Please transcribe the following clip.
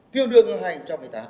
tiêu đương là hai trăm một mươi tám